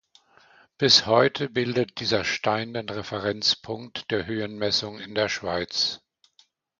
Bis heute bildet dieser Stein den Referenzpunkt der Höhenmessung in der Schweiz.